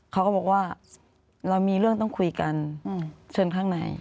เขาก็บอกว่าเรามีเรื่องต้องคุยกันเชิญข้างใน